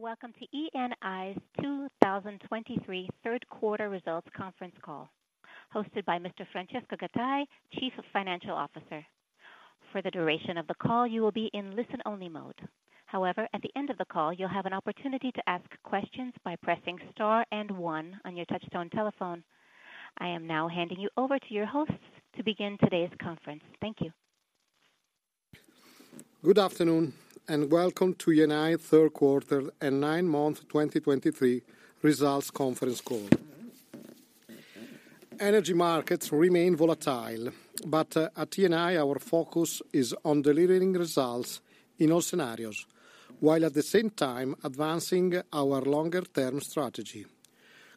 Good afternoon, and welcome to Eni's 2023 third quarter results conference call, hosted by Mr. Francesco Gattei, Chief Financial Officer. For the duration of the call, you will be in listen-only mode. However, at the end of the call, you'll have an opportunity to ask questions by pressing star and one on your touchtone telephone. I am now handing you over to your host to begin today's conference. Thank you. Good afternoon, and welcome to Eni third quarter and nine-month 2023 results conference call. Energy markets remain volatile, but at Eni, our focus is on delivering results in all scenarios, while at the same time advancing our longer-term strategy.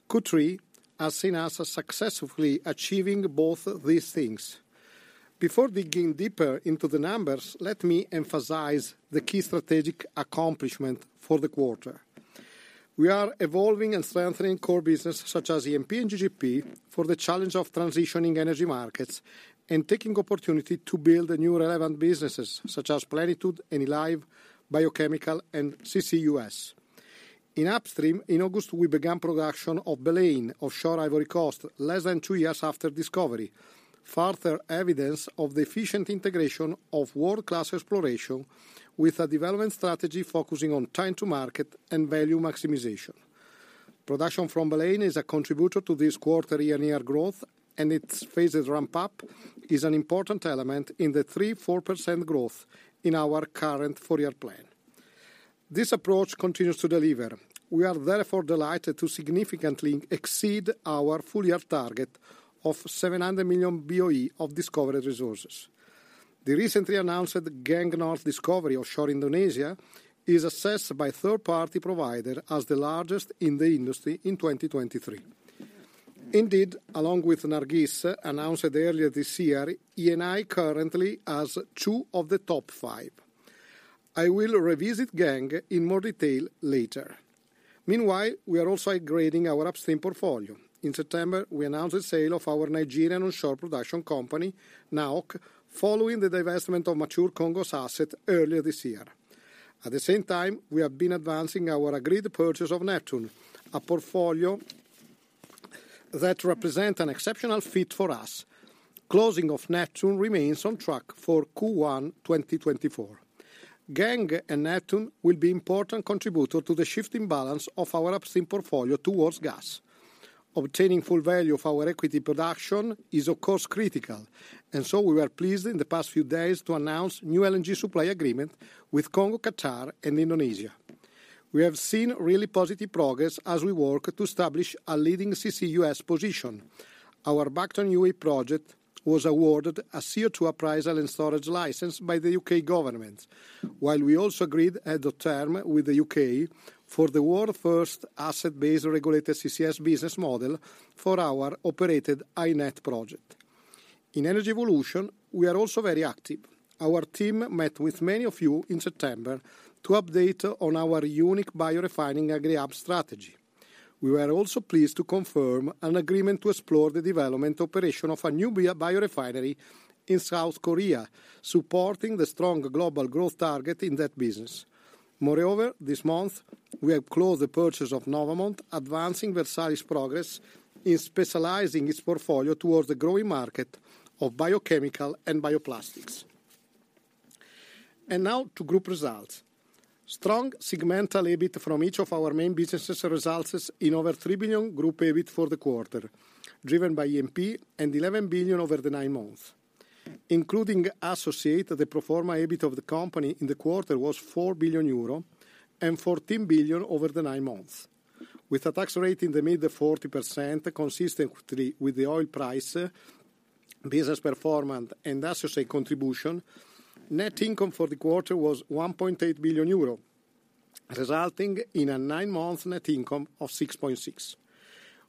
Q3 has seen us successfully achieving both these things. Before digging deeper into the numbers, let me emphasize the key strategic accomplishment for the quarter. We are evolving and strengthening core business, such as E&P and GGP, for the challenge of transitioning energy markets and taking opportunity to build new relevant businesses, such as Plenitude, Enilive, Biochemical, and CCUS. In upstream, in August, we began production of Baleine offshore Ivory Coast, less than two years after discovery, further evidence of the efficient integration of world-class exploration with a development strategy focusing on time to market and value maximization. Production from Baleine is a contributor to this quarter year-on-year growth, and its phased ramp-up is an important element in the 3%-4% growth in our current four-year plan. This approach continues to deliver. We are therefore delighted to significantly exceed our full-year target of 700 million BOE of discovered resources. The recently announced Geng North discovery offshore Indonesia is assessed by third-party provider as the largest in the industry in 2023. Indeed, along with Nargis, announced earlier this year, Eni currently has two of the top five. I will revisit Geng in more detail later. Meanwhile, we are also upgrading our upstream portfolio. In September, we announced the sale of our Nigerian onshore production company, NAOC, following the divestment of mature Congo's asset earlier this year. At the same time, we have been advancing our agreed purchase of Neptune, a portfolio that represents an exceptional fit for us. Closing of Neptune remains on track for Q1 2024. Geng and Neptune will be important contributors to the shifting balance of our upstream portfolio towards gas. Obtaining full value of our equity production is, of course, critical, and so we were pleased in the past few days to announce new LNG supply agreements with Congo, Qatar, and Indonesia. We have seen really positive progress as we work to establish a leading CCUS position. Our Bacton project was awarded a CO2 appraisal and storage license by the UK government, while we also agreed terms with the UK for the world's first asset-based regulated CCS business model for our operated HyNet project. In Energy Evolution, we are also very active. Our team met with many of you in September to update on our. We were also pleased to confirm an agreement to explore the development operation of a new biorefinery in South Korea, supporting the strong global growth target in that business. Moreover, this month, we have closed the purchase of Novamont, advancing Versalis progress in specializing its portfolio towards the growing market of biochemical and bioplastics. And now to group results. Strong segmental EBIT from each of our main businesses results in over 3 billion group EBIT for the quarter, driven by E&P and 11 billion over the nine months. Including associate, the pro forma EBIT of the company in the quarter was 4 billion euro and 14 billion over the nine months. With a tax rate in the mid-40%, consistently with the oil price, business performance, and associate contribution, net income for the quarter was 1.8 billion euro, resulting in a nine-month net income of 6.6 billion.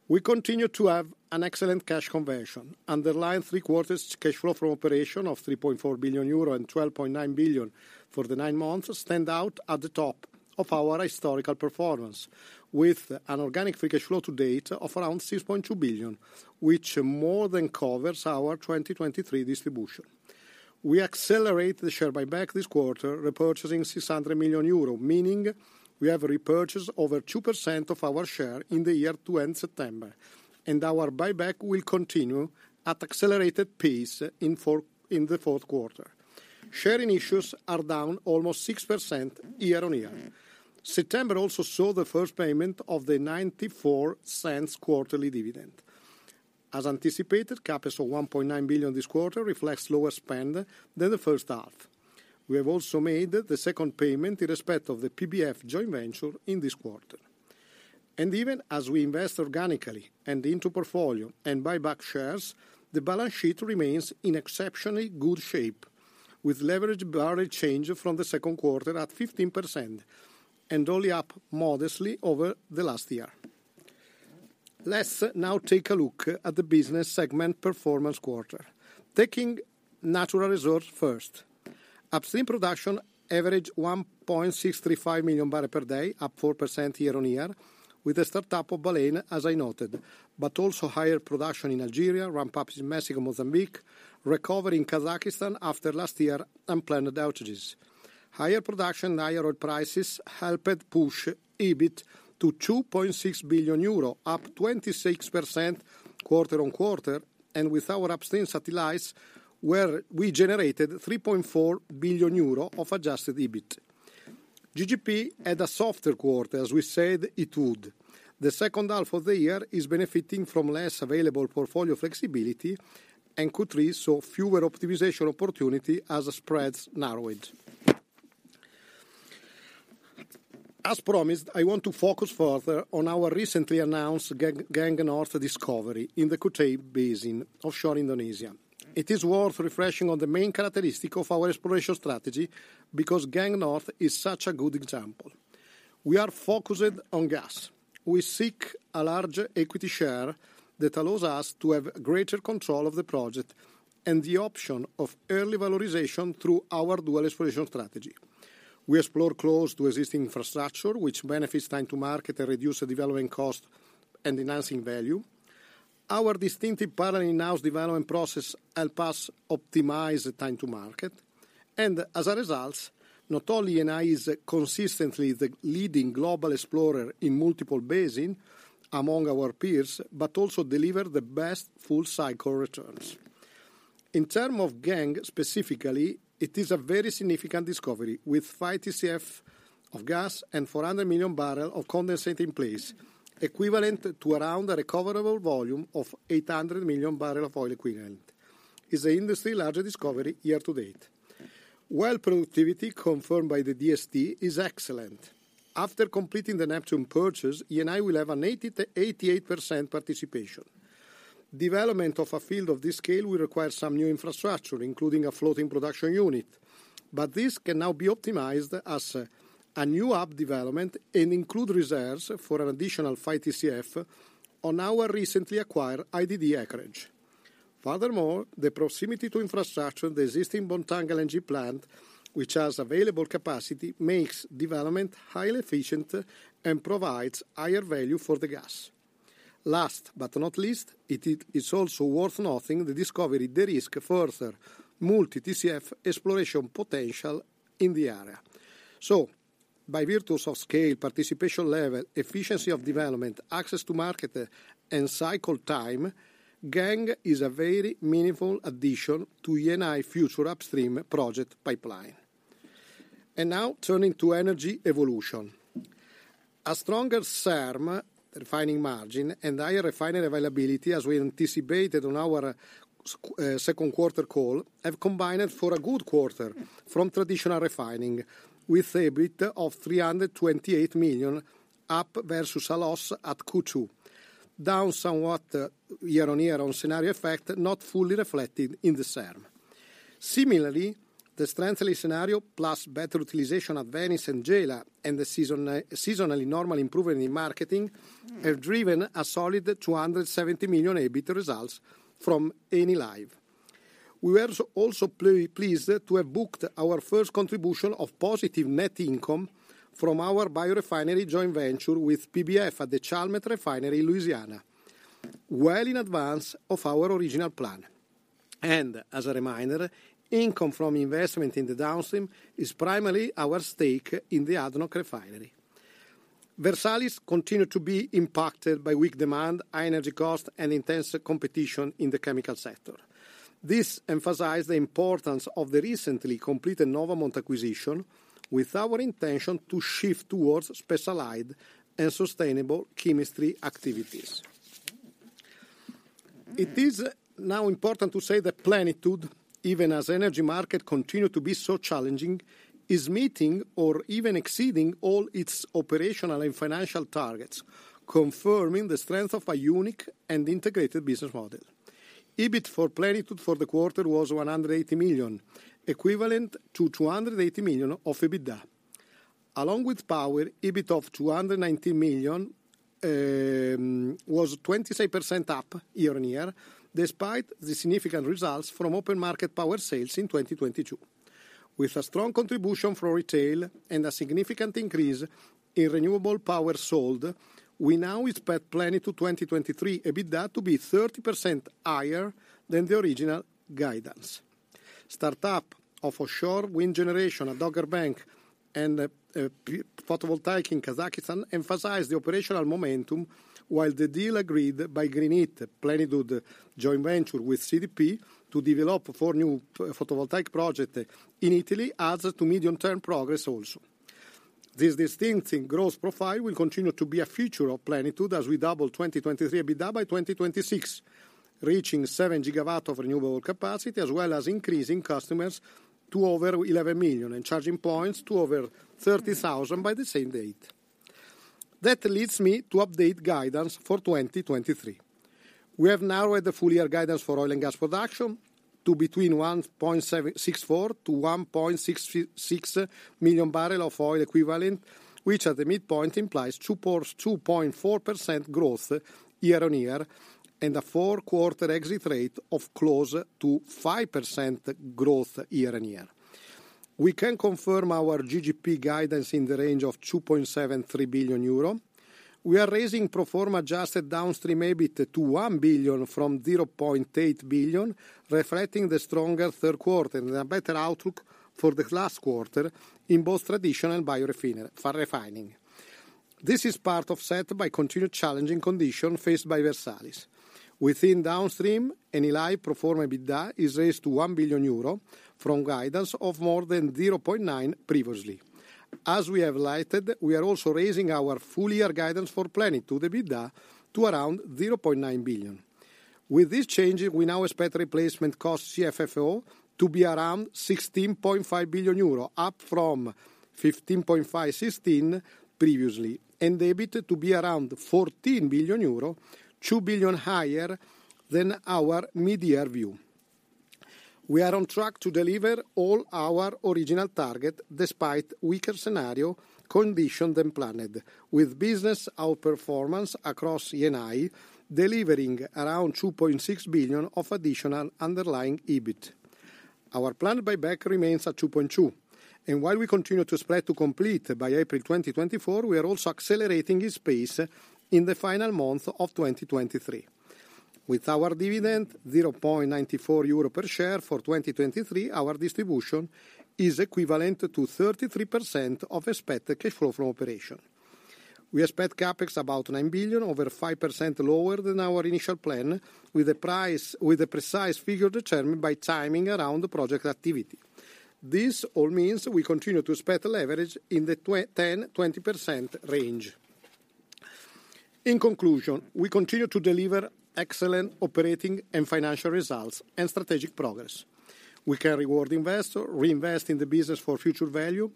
We continue to have an excellent cash conversion. Underlying three quarters cash flow from operation of 3.4 billion euro and 12.9 billion for the nine months stand out at the top of our historical performance, with an organic free cash flow to date of around 6.2 billion, which more than covers our 2023 distribution. We accelerate the share buyback this quarter, repurchasing 600 million euro, meaning we have repurchased over 2% of our share in the year to end September, and our buyback will continue at accelerated pace in the fourth quarter. Share issues are down almost 6% year-on-year. September also saw the first payment of the 0.94 quarterly dividend. As anticipated, CapEx of 1.9 billion this quarter reflects lower spend than the first half. We have also made the second payment in respect of the PBF joint venture in this quarter. And even as we invest organically and into portfolio and buy back shares, the balance sheet remains in exceptionally good shape, with leverage barely change from the second quarter at 15%, and only up modestly over the last year. Let's now take a look at the business segment performance quarter. Taking natural resources first. Upstream production averaged 1.635 million barrels per day, up 4% year-on-year, with the startup of Baleine, as I noted, but also higher production in Algeria, ramp-ups in Mexico and Mozambique, recovery in Kazakhstan after last year's unplanned outages. Higher production and higher oil prices helped push EBIT to 2.6 billion euro, up 26% quarter-on-quarter, and with our upstream satellites, where we generated 3.4 billion euro of adjusted EBIT. GGP had a softer quarter, as we said it would. The second half of the year is benefiting from less available portfolio flexibility, and Q3 saw fewer optimization opportunity as spreads narrowed. As promised, I want to focus further on our recently announced Geng North discovery in the Kutei Basin, offshore Indonesia. It is worth refreshing on the main characteristic of our exploration strategy, because Geng North is such a good example. We are focused on gas. We seek a larger equity share that allows us to have greater control of the project, and the option of early valorization through our dual exploration strategy. We explore close to existing infrastructure, which benefits time to market and reduces the development cost and enhances value. Our distinctive parallel in-house development process helps us optimize the time to market. And as a result, not only Eni is consistently the leading global explorer in multiple basins among our peers, but also delivers the best full cycle returns. In terms of Geng North specifically, it is a very significant discovery, with five TCF of gas and 400 million barrels of condensate in place, equivalent to around a recoverable volume of 800 million barrels of oil equivalent. It's the industry's largest discovery year to date. Well, productivity, confirmed by the DST, is excellent. After completing the Neptune purchase, Eni will have an 88% participation. Development of a field of this scale will require some new infrastructure, including a floating production unit, but this can now be optimized as a new hub development and include reserves for an additional five TCF on our recently acquired IDD acreage. Furthermore, the proximity to infrastructure, the existing Bontang LNG plant, which has available capacity, makes development highly efficient and provides higher value for the gas. Last but not least, it's also worth noting this discovery risks further multi-TCF exploration potential in the area. So by virtue of scale, participation level, efficiency of development, access to market, and cycle time, Geng is a very meaningful addition to Eni's future upstream project pipeline. And now turning to energy evolution. A stronger SERM, refining margin, and higher refinery availability, as we anticipated on our second quarter call, have combined for a good quarter from traditional refining, with EBIT of 328 million, up versus a loss at Q2, down somewhat year-on-year on scenario effect, not fully reflected in the SERM. Similarly, the strengthening scenario, plus better utilization at Venice and Gela, and the seasonally normal improvement in marketing, have driven a solid 270 million EBIT results from Enilive. We were also pleased to have booked our first contribution of positive net income from our biorefinery joint venture with PBF at the Chalmette Refinery in Louisiana, well in advance of our original plan. And as a reminder, income from investment in the downstream is primarily our stake in the ADNOC refinery. Versalis continues to be impacted by weak demand, high energy cost, and intense competition in the chemical sector. This emphasizes the importance of the recently completed Novamont acquisition, with our intention to shift towards specialized and sustainable chemistry activities. It is now important to say that Plenitude, even as energy markets continue to be so challenging, is meeting or even exceeding all its operational and financial targets, confirming the strength of a unique and integrated business model. EBIT for Plenitude for the quarter was 180 million, equivalent to 280 million of EBITDA. Along with power, EBIT of 219 million was 26% up year-on-year, despite the significant results from open market power sales in 2022. With a strong contribution from retail and a significant increase in renewable power sold, we now expect Plenitude 2023 EBITDA to be 30% higher than the original guidance. Startup of offshore wind generation at Dogger Bank and photovoltaic in Kazakhstan emphasize the operational momentum, while the deal agreed by GreenIT, Plenitude joint venture with CDP, to develop four new photovoltaic project in Italy adds to medium-term progress also. This distinct growth profile will continue to be a feature of Plenitude as we double 2023 EBITDA by 2026, reaching seven gigawatt of renewable capacity, as well as increasing customers to over 11 million, and charging points to over 30,000 by the same date. That leads me to update guidance for 2023. We have narrowed the full year guidance for oil and gas production to between 1.76-1.66 million barrels of oil equivalent, which at the midpoint implies 2.4% growth year-on-year, and a four-quarter exit rate of close to 5% growth year-on-year. We can confirm our GGP guidance in the range of 2.73 billion euro. We are raising pro forma adjusted downstream EBIT to 1 billion from 0.8 billion, reflecting the stronger third quarter and a better outlook for the last quarter in both traditional and biorefinery refining. This is part of set by continued challenging condition faced by Versalis. Within downstream, Eni pro forma EBITDA is raised to 1 billion euro from guidance of more than 0.9 previously. As we have highlighted, we are also raising our full-year guidance for planning to the EBITDA to around 0.9 billion. With this change, we now expect replacement cost CFFO to be around 16.5 billion euro, up from 15.5 billion-16 billion previously, and EBIT to be around 14 billion euro, 2 billion higher than our mid-year view. We are on track to deliver all our original target despite weaker scenario condition than planned, with business outperformance across Eni, delivering around 2.6 billion of additional underlying EBIT. Our plan buyback remains at 2.2 billion, and while we continue to spread to complete by April 2024, we are also accelerating this pace in the final month of 2023. With our dividend, 0.94 euro per share for 2023, our distribution is equivalent to 33% of expected cash flow from operations. We expect CapEx about 9 billion, over 5% lower than our initial plan, with the precise figure determined by timing around the project activity. This all means we continue to expect leverage in the 10%-20% range. In conclusion, we continue to deliver excellent operating and financial results and strategic progress. We can reward investor, reinvest in the business for future value,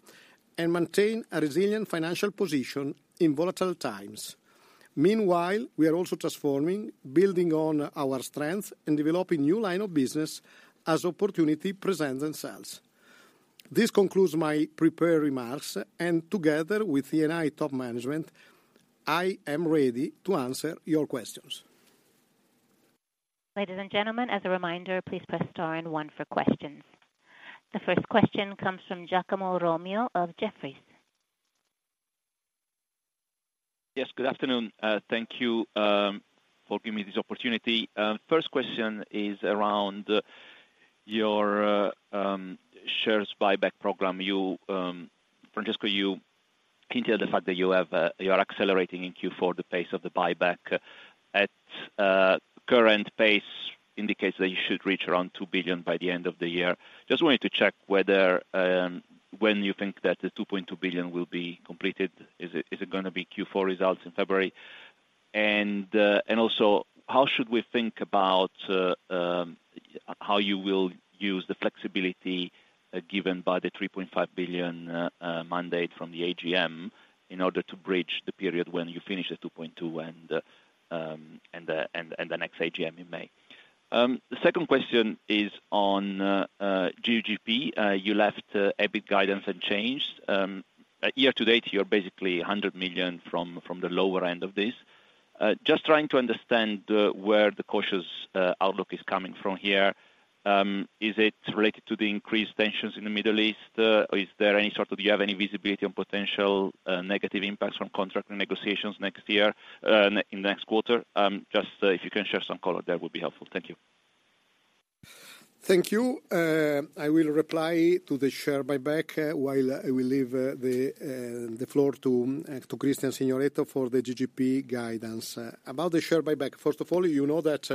and maintain a resilient financial position in volatile times. Meanwhile, we are also transforming, building on our strength and developing new line of business as opportunity presents themselves. This concludes my prepared remarks, and together with Eni top management, I am ready to answer your questions. Ladies and gentlemen, as a reminder, please press star and one for questions. The first question comes from Giacomo Romeo of Jefferies. Yes, good afternoon. Thank you for giving me this opportunity. First question is around your Shares Buyback Program. You, Francesco, you hinted at the fact that you have, you are accelerating in Q4 the pace of the buyback. At current pace, indicates that you should reach around 2 billion by the end of the year. Just wanted to check whether, when you think that the 2.2 billion will be completed. Is it, is it gonna be Q4 results in February? And, and also, how should we think about, how you will use the flexibility, given by the 3.5 billion mandate from the AGM in order to bridge the period when you finish the 2.2 billion and the, and the, and the next AGM in May? The second question is on GGP. You left EBIT guidance unchanged. Year to date, you're basically 100 million from the lower end of this. Just trying to understand where the cautious outlook is coming from here. Is it related to the increased tensions in the Middle East, or is there any sort of... Do you have any visibility on potential negative impacts from contract negotiations next year, in the next quarter? Just if you can share some color, that would be helpful. Thank you. Thank you. I will reply to the share buyback, while I will leave the floor to Cristian Signoretto for the GGP guidance. About the share buyback, first of all, you know that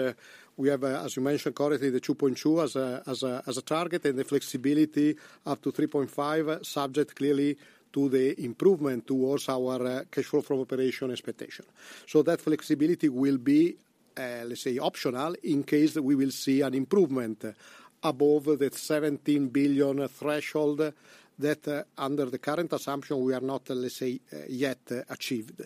we have, as you mentioned correctly, the 2.2 billion as a target, and the flexibility up to 3.5 billion, subject clearly to the improvement towards our cash flow from operation expectation. So that flexibility will be, let's say, optional in case we will see an improvement above the 17 billion threshold that, under the current assumption, we are not, let's say, yet achieved.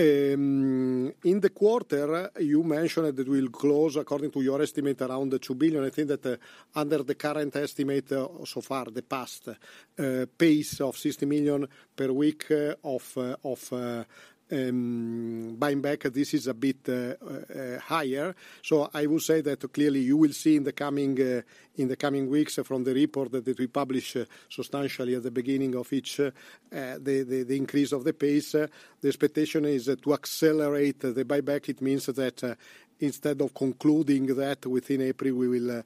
In the quarter, you mentioned that it will close, according to your estimate, around the 2 billion. I think that, under the current estimate, so far, the past pace of 60 million per week, of buying back, this is a bit higher. So I will say that clearly you will see in the coming, in the coming weeks from the report that we publish substantially at the beginning of each, the increase of the pace. The expectation is to accelerate the buyback. It means that, instead of concluding that within April, we will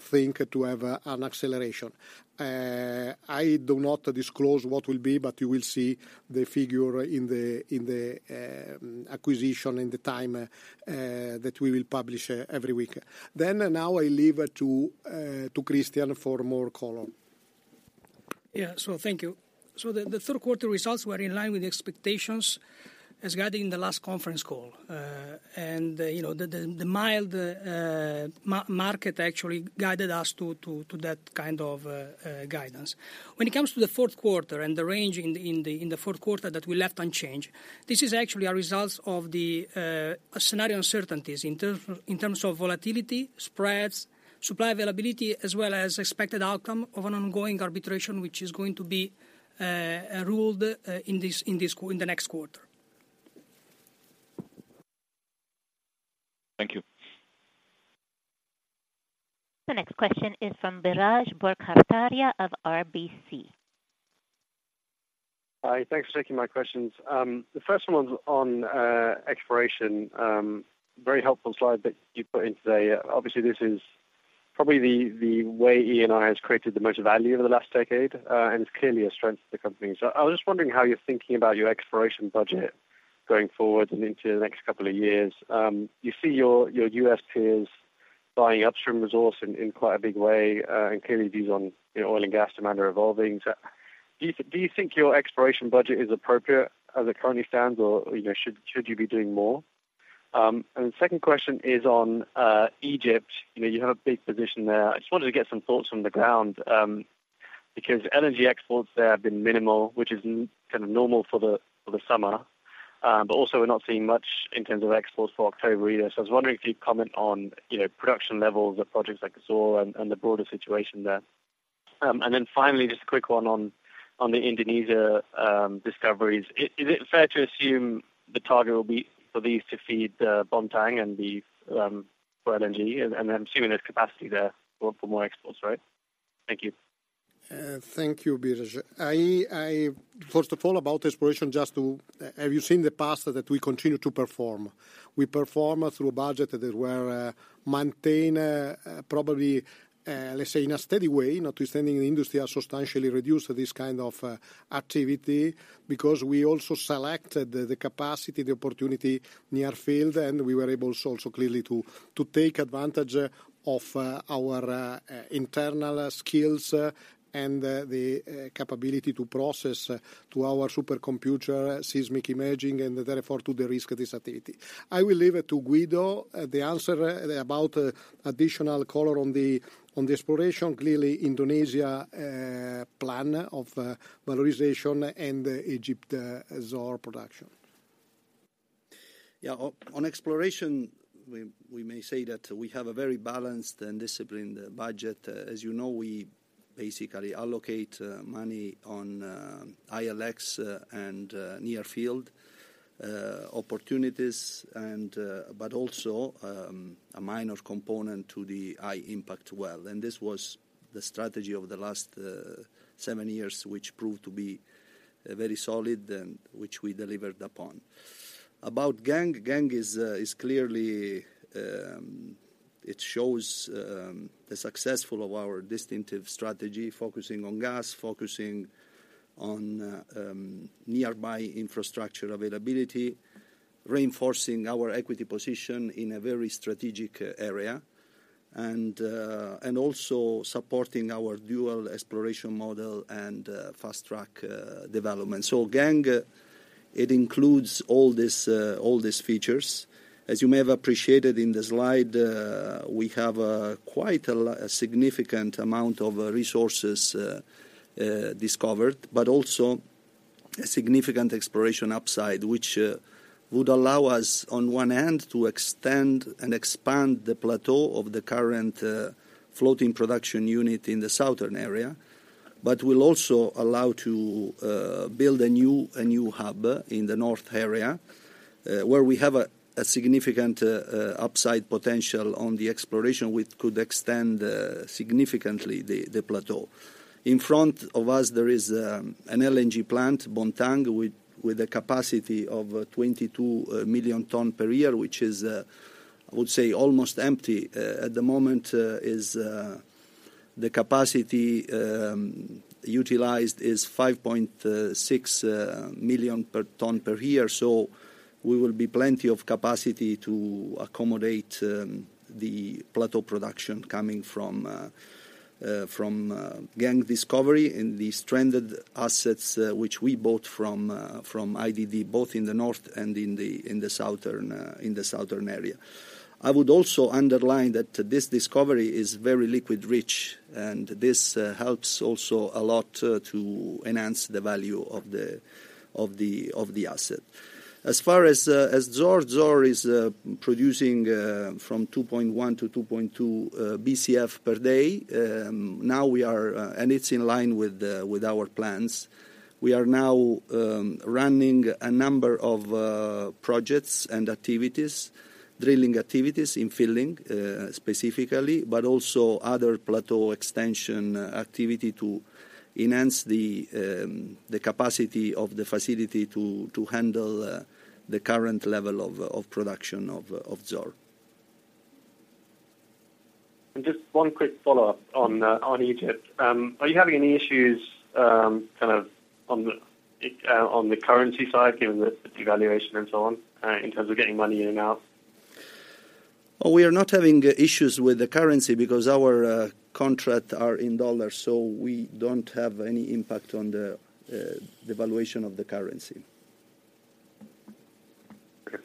think to have an acceleration. I do not disclose what will be, but you will see the figure in the, in the acquisition and the time that we will publish every week. Then now, I leave it to Cristian for more color. Yeah. So thank you. So the third quarter results were in line with the expectations as guided in the last conference call. And, you know, the mild market actually guided us to that kind of guidance. When it comes to the fourth quarter and the range in the fourth quarter that we left unchanged, this is actually a result of the scenario uncertainties in terms of volatility, spreads, supply availability, as well as expected outcome of an ongoing arbitration, which is going to be ruled in the next quarter. Thank you. The next question is from Biraj Borkhataria of RBC. Hi, thanks for taking my questions. The first one's on exploration. Very helpful slide that you put in today. Obviously, this is probably the way Eni has created the most value over the last decade, and it's clearly a strength to the company. So I was just wondering how you're thinking about your exploration budget going forward and into the next couple of years. You see your U.S. peers buying upstream resource in quite a big way, and clearly these on, you know, oil and gas demand are evolving. So do you think your exploration budget is appropriate as it currently stands, or, you know, should you be doing more? And the second question is on Egypt. You know, you have a big position there. I just wanted to get some thoughts on the ground, because energy exports there have been minimal, which is kind of normal for the, for the summer. But also we're not seeing much in terms of exports for October either. So I was wondering if you'd comment on, you know, production levels of projects like Zohr and, and the broader situation there. And then finally, just a quick one on, on the Indonesia, discoveries. Is, is it fair to assume the target will be for these to feed, Bontang and the, for LNG, and, and I'm assuming there's capacity there for, for more exports, right? Thank you. Thank you, Biraj. First of all, about exploration, just to have you seen in the past that we continue to perform? We perform through a budget that were maintain, probably, let's say in a steady way, notwithstanding the industry has substantially reduced this kind of activity, because we also selected the capacity, the opportunity near field, and we were able also clearly to take advantage of our internal skills, and the capability to process to our supercomputer seismic imaging, and therefore, to de-risk this activity. I will leave it to Guido the answer about additional color on the exploration. Clearly, Indonesia plan of valorization and Egypt Zohr production. Yeah, on exploration, we may say that we have a very balanced and disciplined budget. As you know, we basically allocate money on ILX and near field opportunities, but also a minor component to the high impact well. And this was the strategy over the last seven years, which proved to be very solid and which we delivered upon. About Geng. Geng is clearly it shows the successful of our distinctive strategy, focusing on gas, focusing on nearby infrastructure availability, reinforcing our equity position in a very strategic area, and also supporting our dual exploration model and fast track development. So Geng, it includes all these features. As you may have appreciated in the slide, we have quite a significant amount of resources discovered, but also a significant exploration upside, which would allow us, on one hand, to extend and expand the plateau of the current floating production unit in the southern area, but will also allow to build a new hub in the north area, where we have a significant upside potential on the exploration, which could extend significantly the plateau. In front of us, there is an LNG plant, Bontang, with a capacity of 22 million tons per year, which is, I would say, almost empty. At the moment, the capacity utilized is 5.6 million tons per year. So we will be plenty of capacity to accommodate the plateau production coming from Geng discovery and the stranded assets which we bought from IDD, both in the north and in the southern area. I would also underline that this discovery is very liquid rich, and this helps also a lot to enhance the value of the asset. As far as Zohr is producing from 2.1 BCF-2.2 BCF per day. Now we are-and it's in line with our plans. We are now running a number of projects and activities, drilling activities, infilling, specifically, but also other plateau extension activity to enhance the capacity of the facility to handle the current level of production of Zohr. Just one quick follow-up on Egypt. Are you having any issues, kind of, on the currency side, given the devaluation and so on, in terms of getting money in and out? Oh, we are not having issues with the currency because our contracts are in US dollars, so we don't have any impact on the valuation of the currency.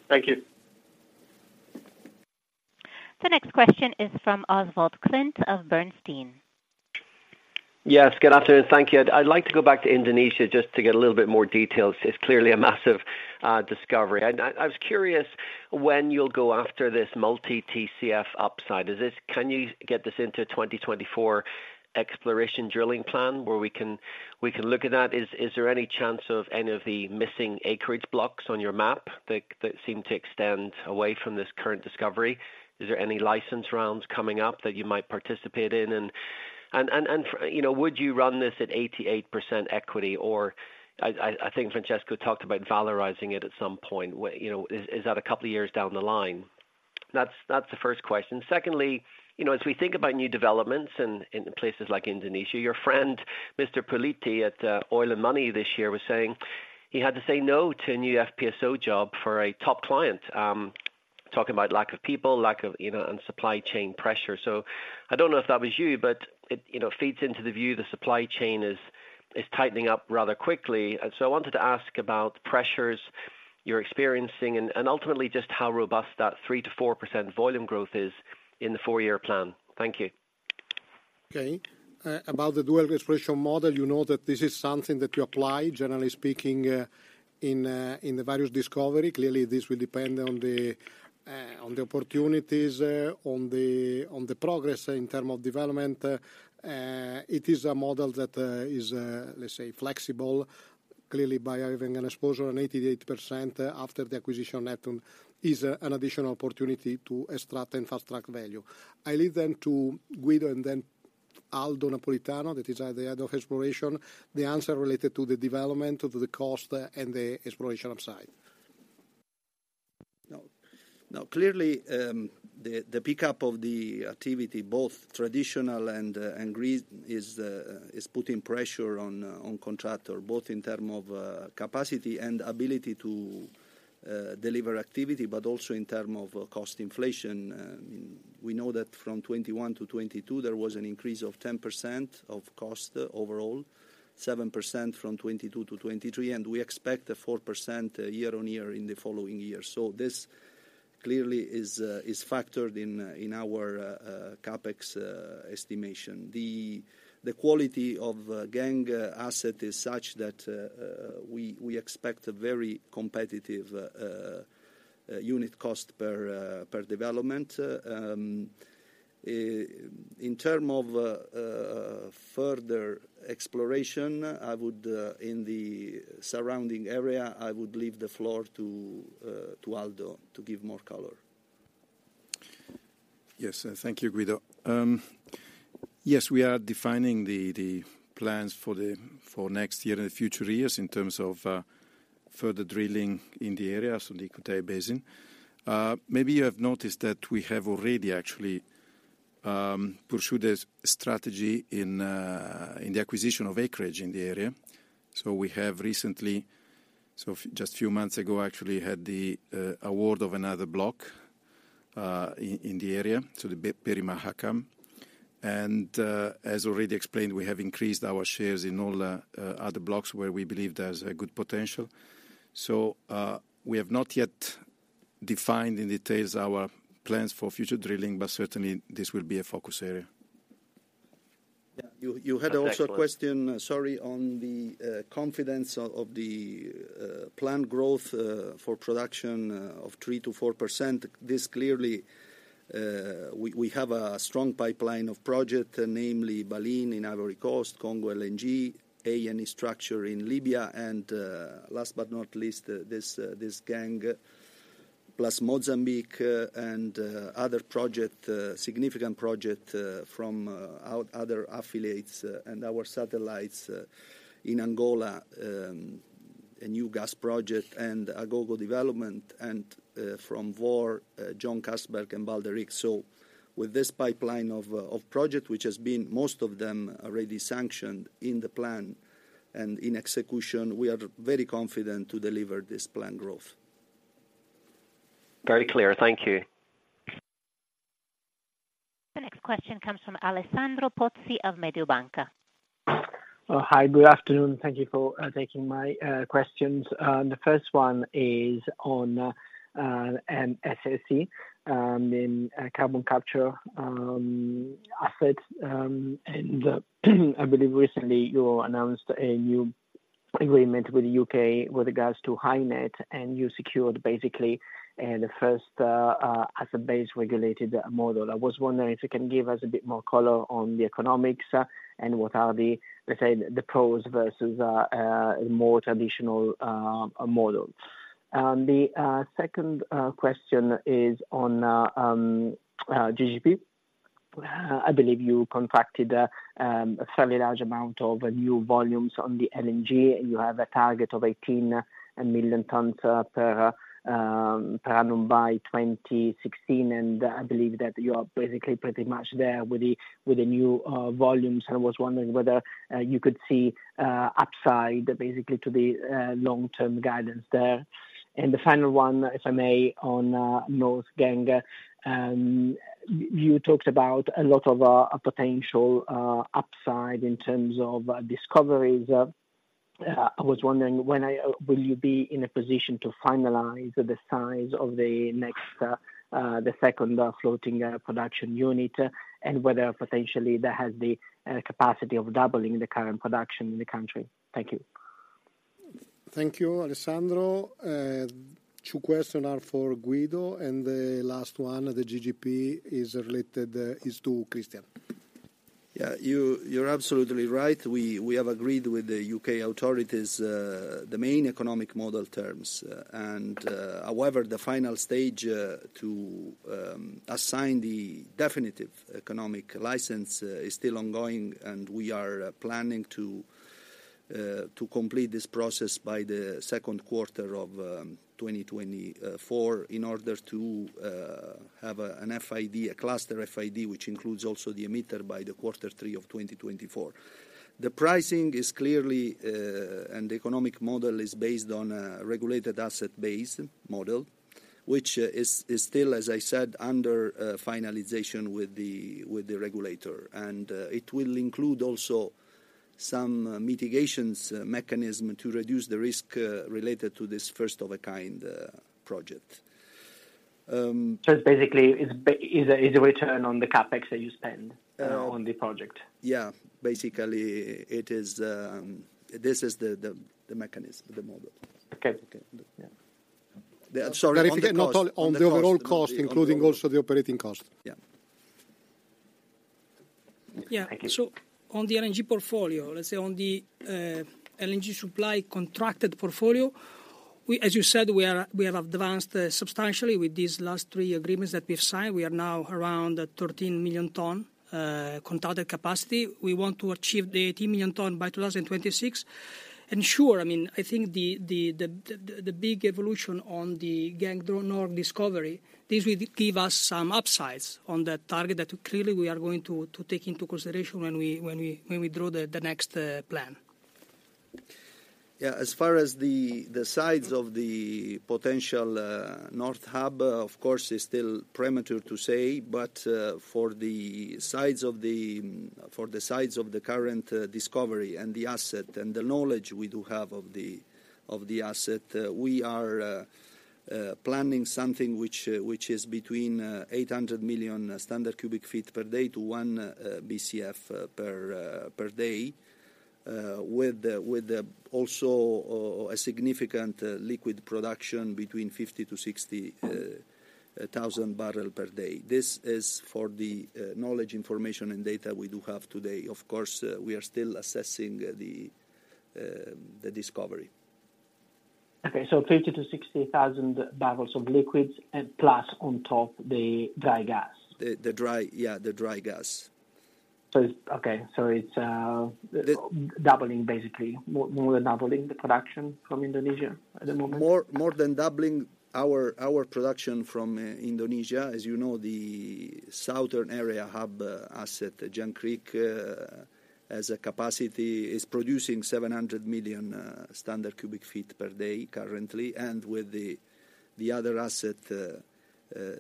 Thank you. The next question is from Oswald Clint of Bernstein. Yes, good afternoon. Thank you. I'd like to go back to Indonesia just to get a little bit more details. It's clearly a massive discovery. And I was curious when you'll go after this multi TCF upside. Is this - can you get this into 2024 exploration drilling plan, where we can look at that? Is there any chance of any of the missing acreage blocks on your map that seem to extend away from this current discovery? Is there any license rounds coming up that you might participate in? And you know, would you run this at 88% equity? Or I think Francesco talked about valorizing it at some point, you know, is that a couple of years down the line? That's the first question. Secondly, you know, as we think about new developments in, in places like Indonesia, your friend, Mr. Puliti, at Oil and Money this year, was saying he had to say no to a new FPSO job for a top client. Talking about lack of people, lack of, you know, and supply chain pressure. So I don't know if that was you, but it, you know, feeds into the view the supply chain is, is tightening up rather quickly. And so I wanted to ask about pressures you're experiencing and, and ultimately just how robust that 3%-4% volume growth is in the four-year plan. Thank you. Okay. About the Dual Exploration Model, you know that this is something that you apply, generally speaking, in the various discovery. Clearly, this will depend on the opportunities, on the progress in term of development. It is a model that is, let's say, flexible. Clearly, by having an exposure on 88% after the acquisition net is an additional opportunity to extract and fast-track value. I leave them to Guido and then Aldo Napolitano, that is at the head of exploration. The answer related to the development, of the cost, and the exploration upside. Now, clearly, the pickup of the activity, both traditional and green, is putting pressure on contractors, both in terms of capacity and ability to deliver activity, but also in terms of cost inflation. We know that from 2021 to 2022, there was an increase of 10% of costs overall, 7% from 2022 to 2023, and we expect a 4% year-on-year in the following year. So this clearly is factored in our CapEx estimation. The quality of the Geng asset is such that we expect a very competitive unit cost per development. In terms of further exploration in the surrounding area, I would leave the floor to Aldo to give more color. Yes, thank you, Guido. Yes, we are defining the plans for next year and future years in terms of further drilling in the area, the Equator Basin. Maybe you have noticed that we have already actually pursued a strategy in the acquisition of acreage in the area. We have recently, just a few months ago, actually had the award of another block in the area, the Peri Mahakam. As already explained, we have increased our shares in all the other blocks where we believe there's a good potential. We have not yet defined in detail our plans for future drilling, but certainly, this will be a focus area. Yeah, you, you had also a question- Thanks a lot. Sorry, on the confidence of the planned growth for production of 3%-4%. This clearly, we have a strong pipeline of projects, namely Baleine in Ivory Coast, Congo LNG, A&E structure in Libya, and, last but not least, this Geng North, plus Mozambique, and other significant projects from other affiliates and our satellites in Angola, a new gas project and Agogo development, and from Vår, John Kasberg, and Balderik. With this pipeline of projects, which has been, most of them, already sanctioned in the plan and in execution, we are very confident to deliver this planned growth. Very clear. Thank you. The next question comes from Alessandro Pozzi of Mediobanca. Hi, good afternoon. Thank you for taking my questions. The first one is on a SSC in carbon capture assets. And I believe recently you announced a new agreement with the UK with regards to HyNet, and you secured, basically, the first as a BES-regulated model. I was wondering if you can give us a bit more color on the economics, and what are the, let's say, the pros versus more traditional model. The second question is on GGP. I believe you contracted a fairly large amount of new volumes on the LNG, and you have a target of 18 million tons per annum by 2016. I believe that you are basically pretty much there with the new volumes. I was wondering whether you could see upside basically to the long-term guidance there. And the final one, if I may, on Geng North. You talked about a lot of potential upside in terms of discoveries. I was wondering when will you be in a position to finalize the size of the next, the second, floating production unit? And whether potentially that has the capacity of doubling the current production in the country. Thank you. Thank you, Alessandro. Two question are for Guido, and the last one, the GGP, is related, is to Christian. Yeah, you're absolutely right. We have agreed with the U.K. authorities the main economic model terms. However, the final stage to assign the definitive economic license is still ongoing, and we are planning to complete this process by the second quarter of 2024, in order to have an FID, a cluster FID, which includes also the HyNet by the quarter three of 2024. The pricing is clearly and the economic model is based on a regulated asset base model, which is still, as I said, under finalization with the regulator. And it will include also some mitigations mechanism to reduce the risk related to this first of a kind project. So basically, it's a return on the CapEx that you spend. on the project? Yeah. Basically, it is this is the mechanism, the model. Okay. Okay. Yeah. Sorry, on the cost. On the overall cost, including also the operating cost. Yeah. Yeah, thank you. So on the LNG portfolio, let's say on the LNG supply contracted portfolio, as you said, we are, we have advanced substantially with these last three agreements that we have signed. We are now around 13 million ton contracted capacity. We want to achieve the 18 million ton by 2026. And sure, I mean, I think the big evolution on the Geng North discovery, this will give us some upsides on that target that clearly we are going to take into consideration when we draw the next plan. Yeah, as far as the size of the potential North Hub, of course, it is still premature to say. But for the size of the current discovery and the asset and the knowledge we do have of the asset, we are planning something which is between 800 million standard cubic feet per day to one BCF per day, with also a significant liquid production between 50,000-60,000 barrels per day. This is for the knowledge, information, and data we do have today. Of course, we are still assessing the discovery. Okay, so 50,000-60,000 barrels of liquids and plus on top the dry gas. Yeah, the dry gas. Okay, so it's. The- Doubling basically, more, more than doubling the production from Indonesia at the moment? More than doubling our production from Indonesia. As you know, the southern area hub asset, Jangkrik, has a capacity, is producing 700 million standard cubic feet per day currently. And with the other asset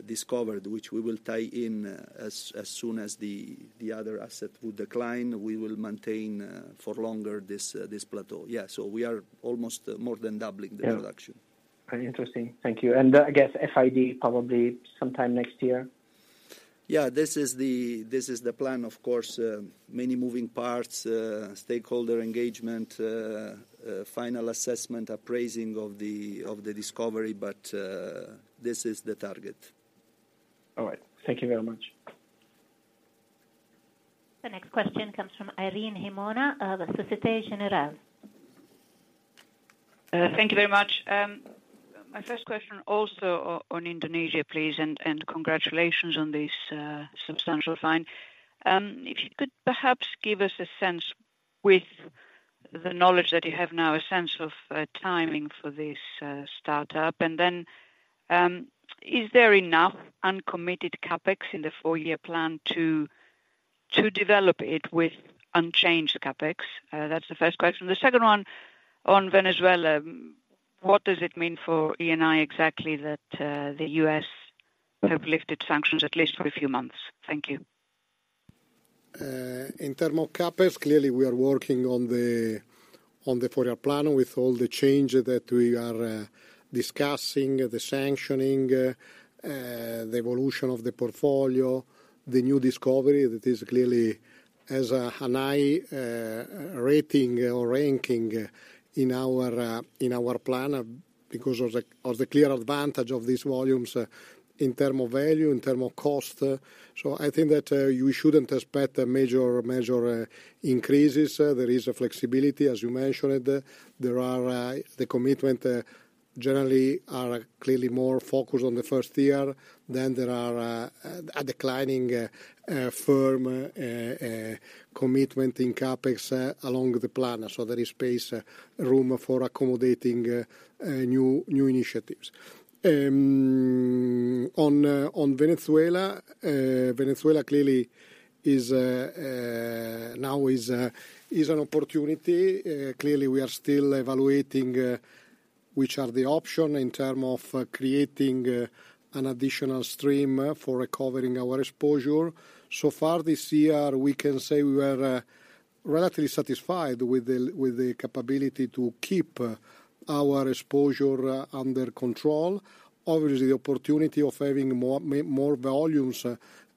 discovered, which we will tie in as soon as the other asset will decline, we will maintain for longer this plateau. Yeah, so we are almost more than doubling the production. Very interesting. Thank you. And, I guess FID probably sometime next year? Yeah, this is the plan, of course, many moving parts, stakeholder engagement, final assessment, appraising of the discovery, but this is the target. All right. Thank you very much. The next question comes from Irene Himona of Société Générale. Thank you very much. My first question also on, on Indonesia, please, and, and congratulations on this substantial find. If you could perhaps give us a sense with the knowledge that you have now, a sense of timing for this startup. And then, is there enough uncommitted CapEx in the four-year plan to, to develop it with unchanged CapEx? That's the first question. The second one on Venezuela, what does it mean for Eni exactly that the U.S. have lifted sanctions at least for a few months? Thank you. In terms of CapEx, clearly we are working on the four-year plan with all the changes that we are discussing, the sanctioning, the evolution of the portfolio, the new discovery that clearly has a high rating or ranking in our plan, because of the clear advantage of these volumes in terms of value, in terms of cost. So I think that you shouldn't expect a major increase. There is flexibility, as you mentioned. There are the commitments generally are clearly more focused on the first year than there are a declining firm commitment in CapEx along the plan. So there is space room for accommodating new initiatives. On Venezuela, Venezuela clearly is now an opportunity. Clearly, we are still evaluating which are the options in terms of creating an additional stream for recovering our exposure. So far this year, we can say we are relatively satisfied with the capability to keep our exposure under control. Obviously, the opportunity of having more volumes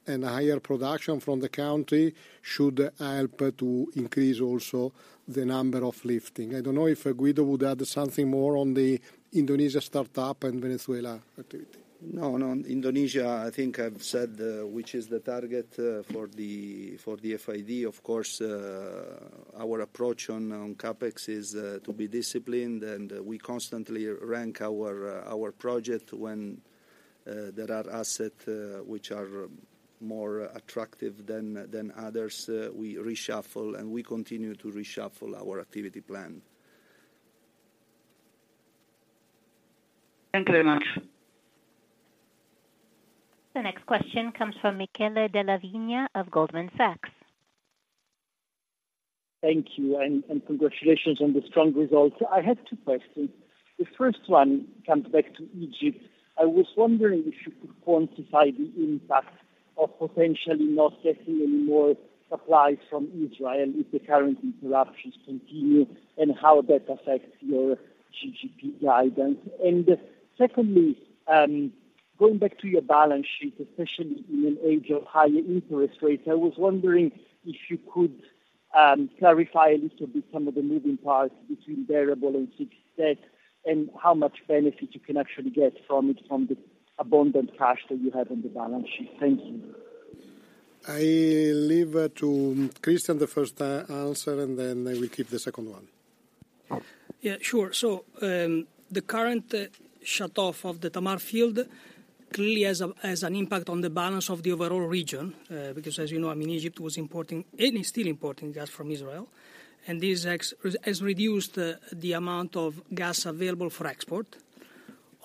and higher production from the country should help to increase also the number of lifting. I don't know if Guido would add something more on the Indonesia startup and Venezuela activity. No, no. Indonesia, I think I've said, which is the target, for the FID. Of course, our approach on CapEx is to be disciplined, and we constantly rank our project when-there are assets which are more attractive than others. We reshuffle, and we continue to reshuffle our activity plan. Thank you very much. The next question comes from Michele Della Vigna of Goldman Sachs. Thank you, and congratulations on the strong results. I have two questions. The first one comes back to Egypt. I was wondering if you could quantify the impact of potentially not getting any more supplies from Israel, if the current interruptions continue, and how that affects your GGP guidance? And secondly, going back to your balance sheet, especially in an age of higher interest rates, I was wondering if you could clarify a little bit some of the moving parts between variable and fixed debt, and how much benefit you can actually get from it, from the abundant cash that you have on the balance sheet? Thank you. I leave it to Christian the first answer, and then I will keep the second one. Yeah, sure. So, the current shutoff of the Tamar field clearly has an impact on the balance of the overall region. Because, as you know, I mean, Egypt was importing, and it's still importing gas from Israel, and this has reduced the amount of gas available for export.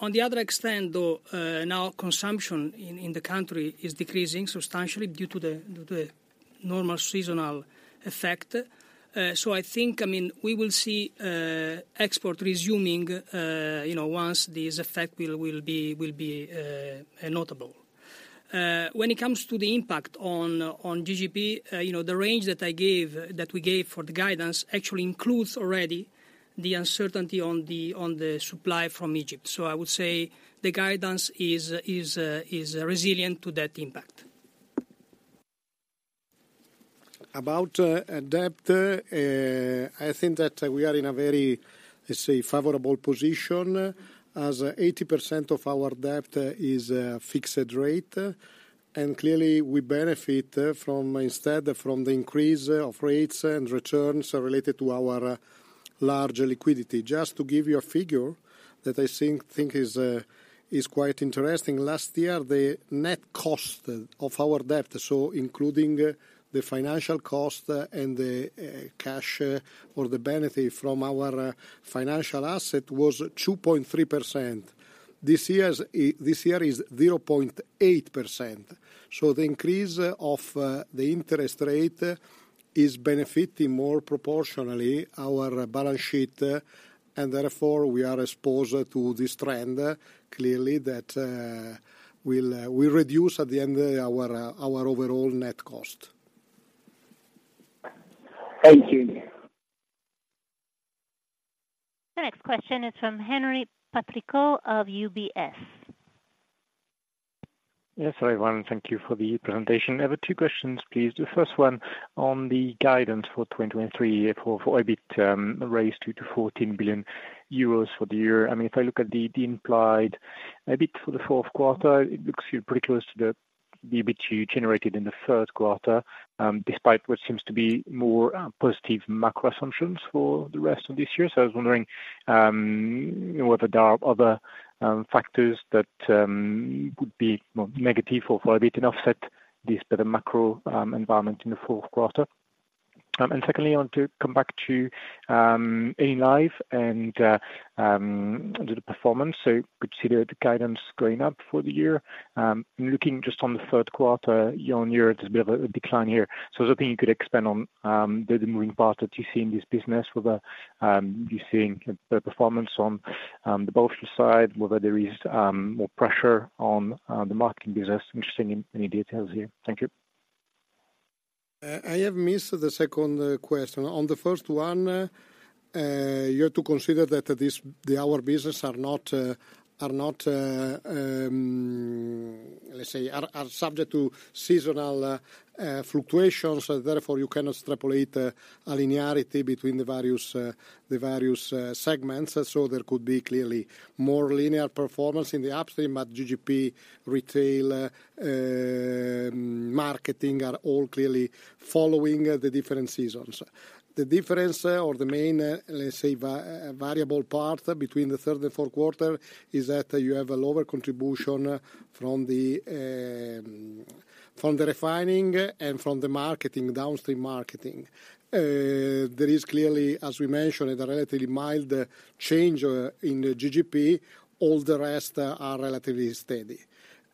On the other extent, though, now consumption in the country is decreasing substantially due to the normal seasonal effect. So I think, I mean, we will see export resuming, you know, once this effect will be notable. When it comes to the impact on GGP, you know, the range that I gave, that we gave for the guidance actually includes already the uncertainty on the supply from Egypt. I would say the guidance is resilient to that impact. I think that we are in a very, let's say, favorable position, as 80% of our debt is fixed rate. And clearly, we benefit from the increase of rates and returns related to our large liquidity. Just to give you a figure that I think is quite interesting: last year, the net cost of our debt, so including the financial cost and the cash, or the benefit from our financial asset, was 2.3%. This year is 0.8%. So the increase of the interest rate is benefiting more proportionally our balance sheet, and therefore we are exposed to this trend clearly that will reduce at the end of the year our overall net cost. Thank you. The next question is from Henry Patricot of UBS. Yes, everyone, thank you for the presentation. I have two questions, please. The first one on the guidance for 2023, for EBIT, raised to 14 billion euros for the year. I mean, if I look at the implied EBIT for the fourth quarter, it looks pretty close to the EBIT you generated in the third quarter, despite what seems to be more positive macro assumptions for the rest of this year. So I was wondering whether there are other factors that would be more negative for EBIT and offset this better macro environment in the fourth quarter? And secondly, I want to come back to Enilive and under the performance, so good to see the guidance going up for the year. Looking just on the third quarter, year on year, there's a bit of a decline here. So I was hoping you could expand on the moving parts that you see in this business, whether you're seeing the performance on the bullshit side, whether there is more pressure on the marketing business. I'm just seeing any, any details here. Thank you. I have missed the second question. On the first one, you have to consider that this, the our business are not, are not, let's say, are, are subject to seasonal fluctuations. Therefore, you cannot extrapolate a linearity between the various, the various segments. So there could be clearly more linear performance in the upstream, but GGP, retail, marketing are all clearly following the different seasons. The difference, or the main, let's say, variable part between the third and fourth quarter is that you have a lower contribution from the, from the refining and from the marketing, downstream marketing. There is clearly, as we mentioned, a relatively mild change in the GGP. All the rest are relatively steady.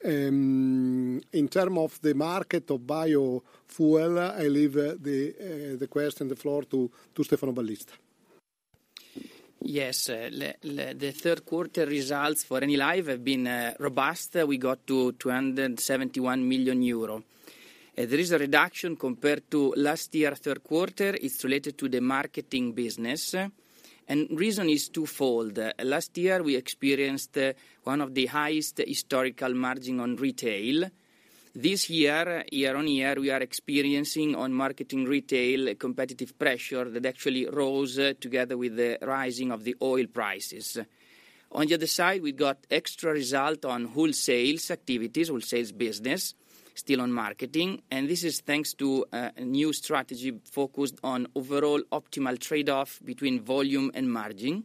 In terms of the market of biofuel, I leave the question, the floor to Stefano Ballista. Yes, the third quarter results for Enilive have been robust. We got to 271 million euro. There is a reduction compared to last year, third quarter. It's related to the marketing business, and reason is twofold. Last year, we experienced one of the highest historical margin on retail. This year, year-on-year, we are experiencing on marketing retail, a competitive pressure that actually rose together with the rising of the oil prices. On the other side, we got extra result on wholesales activities, wholesales business, still on marketing, and this is thanks to a new strategy focused on overall optimal trade-off between volume and margin....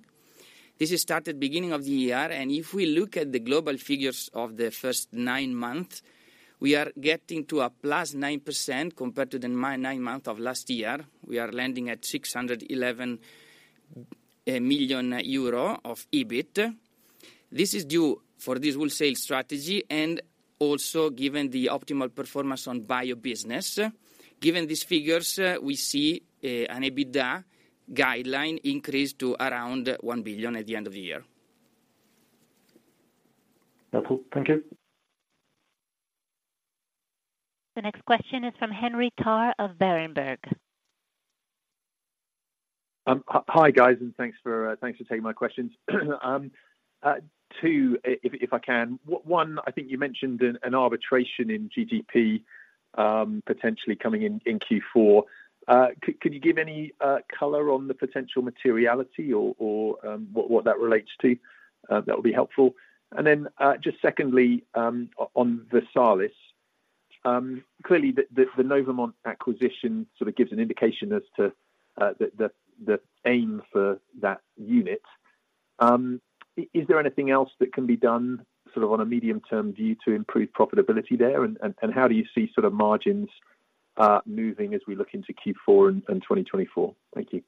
This is started beginning of the year, and if we look at the global figures of the first nine months, we are getting to a +9% compared to the nine months of last year. We are landing at 611 million euro of EBIT. This is due for this wholesale strategy, and also given the optimal performance on bio business. Given these figures, we see an EBITDA guideline increase to around 1 billion at the end of the year. Helpful. Thank you. The next question is from Henry Tarr of Berenberg. Hi, guys, and thanks for taking my questions. Two, if I can. One, I think you mentioned an arbitration in GGP, potentially coming in Q4. Could you give any color on the potential materiality or what that relates to? That would be helpful. And then, just secondly, on Versalis. Clearly, the Novamont acquisition sort of gives an indication as to the aim for that unit. Is there anything else that can be done, sort of on a medium-term view, to improve profitability there, and how do you see sort of margins moving as we look into Q4 and 2024? Thank you.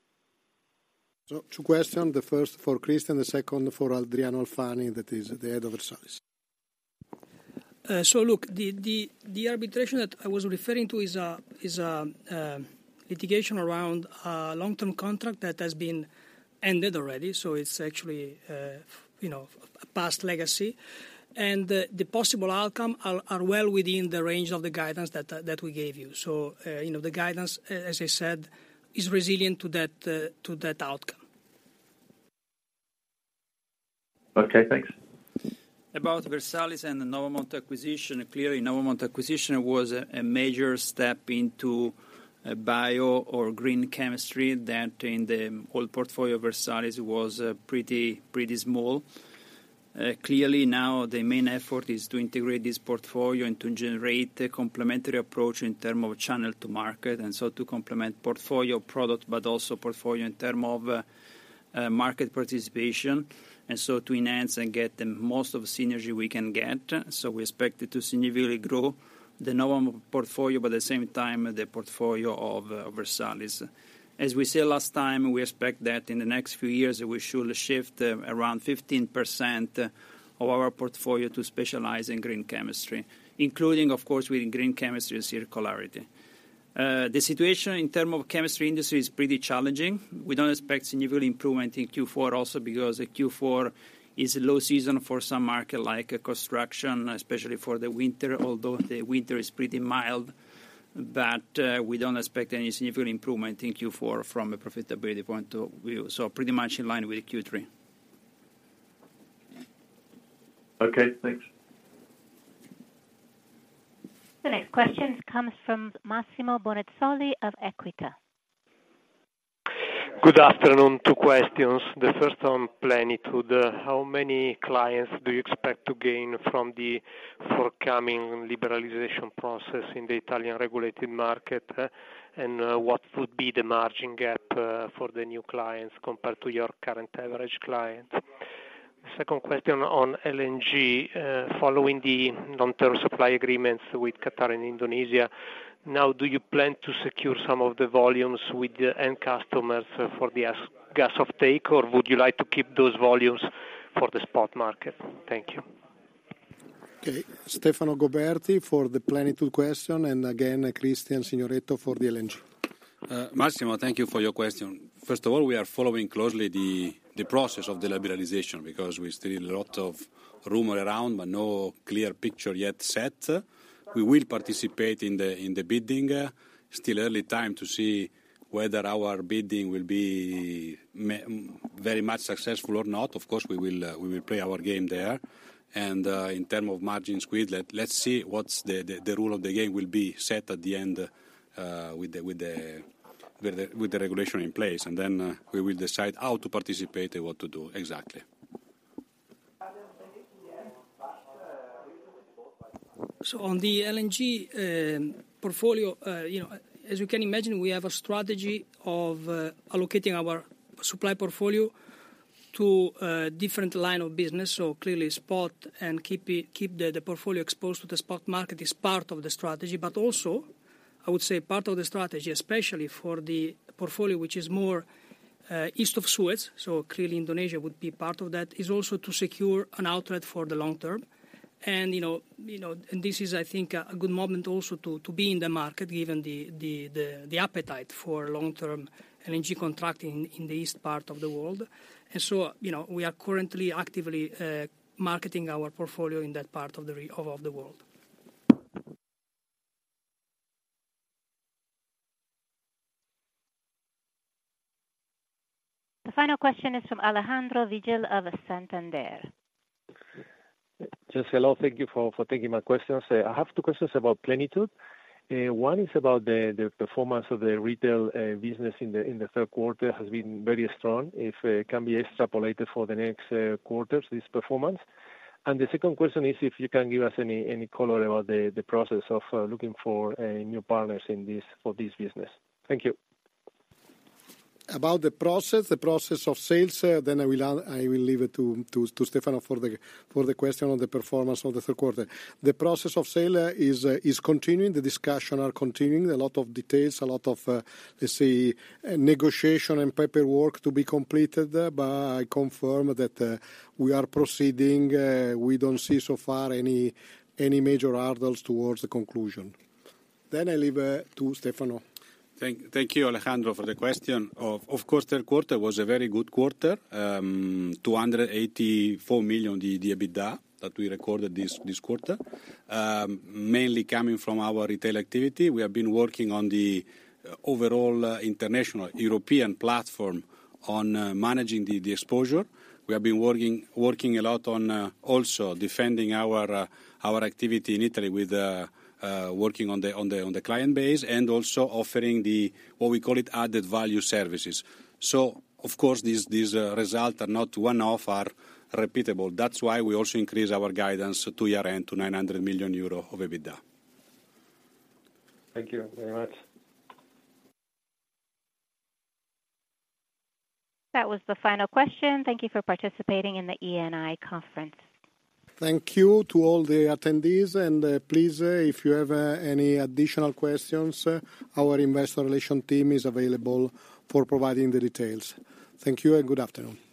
Two questions, the first for Christian, the second for Adriano Alfani, that is the head of Versalis. So look, the arbitration that I was referring to is litigation around a long-term contract that has been ended already, so it's actually, you know, a past legacy. And the possible outcome are well within the range of the guidance that we gave you. So, you know, the guidance, as I said, is resilient to that outcome. Okay, thanks. About Versalis and the Novamont acquisition, clearly, Novamont acquisition was a major step into bio or green chemistry, that in the whole portfolio of Versalis was pretty, pretty small. Clearly, now the main effort is to integrate this portfolio and to generate a complementary approach in term of channel to market, and so to complement portfolio product, but also portfolio in term of market participation, and so to enhance and get the most of synergy we can get. So we expect it to significantly grow the Novamont portfolio, but at the same time, the portfolio of Versalis. As we said last time, we expect that in the next few years, we should shift around 15% of our portfolio to specialize in green chemistry, including, of course, within green chemistry and circularity. The situation in terms of chemical industry is pretty challenging. We don't expect significant improvement in Q4, also because the Q4 is low season for some market, like construction, especially for the winter, although the winter is pretty mild, but we don't expect any significant improvement in Q4 from a profitability point of view, so pretty much in line with Q3. Okay, thanks. The next question comes from Massimo Bonisoli of Equita. Good afternoon, two questions. The first on Plenitude. How many clients do you expect to gain from the forthcoming liberalization process in the Italian regulated market? And, what would be the margin gap, for the new clients compared to your current average clients? Second question on LNG. Following the long-term supply agreements with Qatar and Indonesia, now, do you plan to secure some of the volumes with the end customers for the gas offtake, or would you like to keep those volumes for the spot market? Thank you. Okay, Stefano Goberti for the Plenitude question, and again, Cristian Signoretto for the LNG. Massimo, thank you for your question. First of all, we are following closely the process of the liberalization because we still a lot of rumor around, but no clear picture yet set. We will participate in the bidding. Still early time to see whether our bidding will be very much successful or not. Of course, we will play our game there. And in terms of margin squeeze, let's see what's the rule of the game will be set at the end with the regulation in place, and then we will decide how to participate and what to do exactly. So on the LNG portfolio, you know, as you can imagine, we have a strategy of allocating our supply portfolio to a different line of business. So clearly spot and keep the portfolio exposed to the spot market is part of the strategy. But also, I would say part of the strategy, especially for the portfolio, which is more East of Suez, so clearly Indonesia would be part of that, is also to secure an outlet for the long term. And you know, this is, I think, a good moment also to be in the market, given the appetite for long-term LNG contracting in the east part of the world. And so, you know, we are currently actively marketing our portfolio in that part of the world. The final question is from Alejandro Vigil of Santander. Hello, thank you for taking my questions. I have two questions about Plenitude. One is about the performance of the retail business in the third quarter has been very strong, if it can be extrapolated for the next quarters, this performance. And the second question is if you can give us any color about the process of looking for new partners in this, for this business. Thank you. About the process, the process of sales, then I will leave it to Stefano for the question on the performance of the third quarter. The process of sale is continuing, the discussions are continuing. A lot of details, a lot of, let's say, negotiation and paperwork to be completed, but I confirm that we are proceeding. We don't see so far any major hurdles towards the conclusion. Then I leave to Stefano. Thank you, Alejandro, for the question. Of course, third quarter was a very good quarter. 284 million, the EBITDA that we recorded this quarter, mainly coming from our retail activity. We have been working on the overall international European platform on managing the exposure. We have been working a lot on also defending our activity in Italy with working on the client base, and also offering what we call it added value services. So of course, these results are not one-off, are repeatable. That's why we also increase our guidance to year-end, to 900 million euro of EBITDA. Thank you very much. That was the final question. Thank you for participating in the Eni conference. Thank you to all the attendees, and, please, if you have any additional questions, our investor relation team is available for providing the details. Thank you and good afternoon.